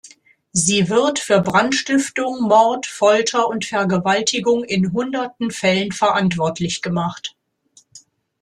Sie wird für Brandstiftung, Mord, Folter und Vergewaltigung in hunderten Fällen verantwortlich gemacht.